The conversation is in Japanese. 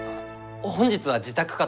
本日は自宅かと。